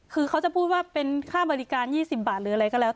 คือเขาจะพูดว่าเป็นค่าบริการ๒๐บาทหรืออะไรก็แล้ว